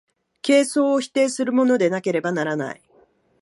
形相を否定するものでなければならない。